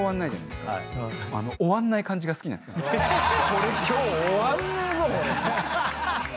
これ今日終わんねえぞ！